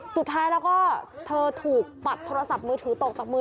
สุดท้ายแล้วก็เธอถูกปัดโทรศัพท์มือถือตกจากมือ